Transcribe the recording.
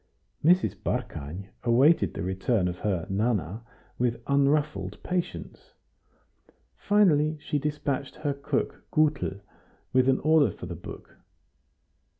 Mrs. Barkany awaited the return of her "Nana" with unruffled patience; finally she despatched her cook Gutel with an order for the book.